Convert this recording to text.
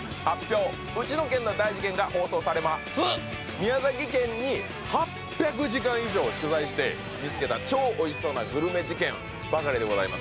宮崎県に８００時間以上、取材して見つけた見つけた超おいしそうなグルメ事件ばかりでございます。